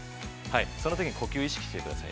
そのときに呼吸を意識してください。